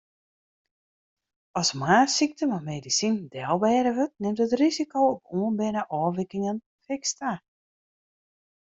As moarnssykte mei medisinen delbêde wurdt, nimt it risiko op oanberne ôfwikingen fiks ta.